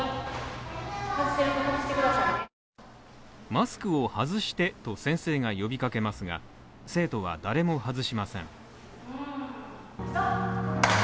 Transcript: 「マスクを外して」と先生が呼びかけますが生徒は、誰も外しません。